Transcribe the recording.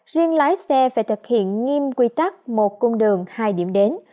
riêng lái xe phải thực hiện nghiêm quy tắc một cung đường hai điểm đến